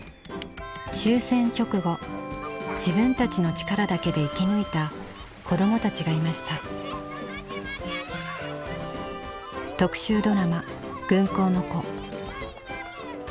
終戦直後自分たちの力だけで生き抜いた子どもたちがいました特集ドラマ「軍港の子」